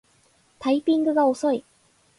タイピングが遅い